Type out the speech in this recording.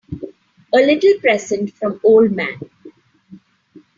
A little present from old man.